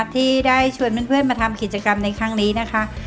ที่ได้ชวนเพื่อนมาทำกิจกรรมในครั้งนี้นะคะ